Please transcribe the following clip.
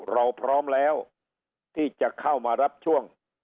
เราพร้อมแล้วที่จะเข้ามารับช่วง